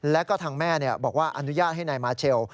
แล้วก็ทางแม่บอกว่าอนุญาตให้นายมาเชล